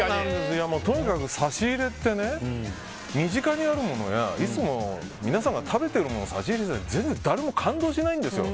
とにかく差し入れってね身近にあるものやいつも皆さんが食べているものを差し入れしても全然、誰も感動しないんですよ。